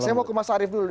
saya mau ke mas arief dulu